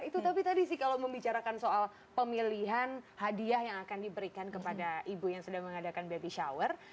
itu tapi tadi sih kalau membicarakan soal pemilihan hadiah yang akan diberikan kepada ibu yang sudah mengadakan baby shower